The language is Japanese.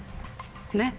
ねっ。